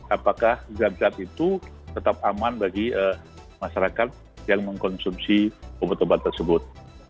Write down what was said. apakah zat zat itu tetap aman bagi masyarakat yang mengkonsumsi obat obat tersebut